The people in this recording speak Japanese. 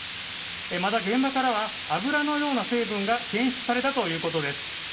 また、現場からは油のような成分が検出されたということです。